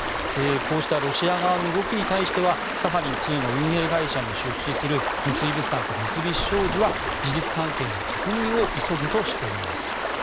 こうしたロシア側の動きに対してサハリン２の運営会社に出資する三井物産と三菱商事は事実関係の確認を急ぐとしています。